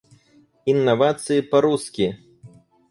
Инновации по-русски